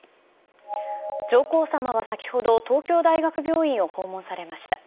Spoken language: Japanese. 上皇さまは先ほど、東京大学病院を訪問されました。